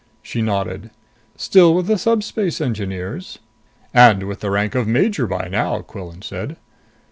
She nodded. "Still with the Subspace Engineers?" "And with the rank of major by now," Quillan said.